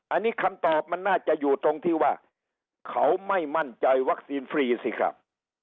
อันนี้คำตอบมันน่าจะอยู่ตรงที่ว่าเขาไม่มั่นใจวัคซีนฟรีสิครับ